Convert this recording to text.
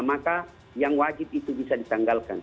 maka yang wajib itu bisa ditanggalkan